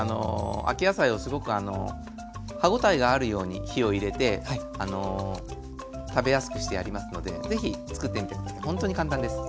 秋野菜をすごく歯応えがあるように火を入れて食べやすくしてありますので是非つくってみてほんとに簡単です。